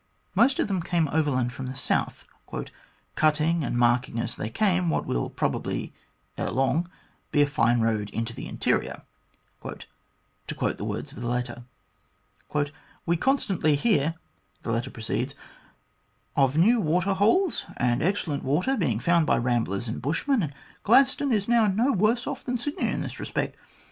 Most of them came overland from the south, " cutting and marking as they came what will probably be ere long a fine road into the interior," to quote the words of the letter. " We constantly hear," the letter proceeds, " of new water holes and excellent water being found by ramblers and bushmen, and Gladstone is now no worse off than Sydney in this respect.